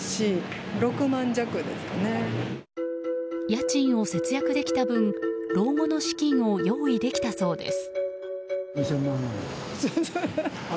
家賃を節約できた分老後の資金を用意できたそうです。